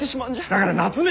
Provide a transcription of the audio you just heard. だから夏目！